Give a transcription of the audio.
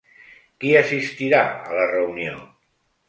Qui assistirà a la reunió?